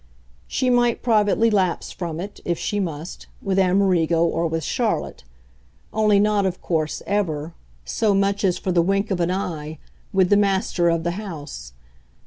She might privately lapse from it, if she must, with Amerigo or with Charlotte only not, of course, ever, so much as for the wink of an eye, with the master of the house.